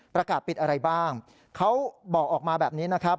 ประกาศปิดอะไรบ้างเขาบอกออกมาแบบนี้นะครับ